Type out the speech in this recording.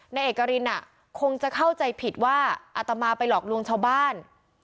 นายเอกรินคงจะเข้าใจผิดว่าอัตมาไปหลอกลวงชาวบ้าน